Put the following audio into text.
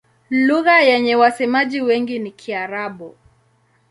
Lugha yenye wasemaji wengi ni Kiarabu.